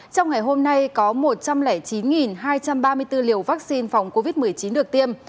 trong ngày hôm nay có một trăm linh chín hai trăm ba mươi bốn liều vaccine phòng covid một mươi chín được tiêm